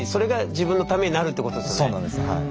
そうなんですはい。